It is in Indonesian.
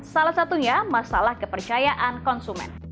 salah satunya masalah kepercayaan konsumen